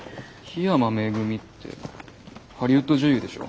緋山恵ってハリウッド女優でしょ？